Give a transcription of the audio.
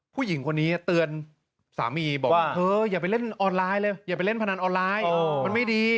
ผู้หญิงคนนี้เตือนสามีบอกว่าเธออย่าไปเล่นออนไลน์เลยอย่าไปเล่นพนันออนไลน์มันไม่ดี